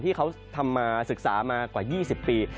ที่เขาศึกษามากว่า๒๐ปี